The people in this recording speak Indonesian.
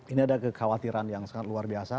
ini ada kekhawatiran yang sangat luar biasa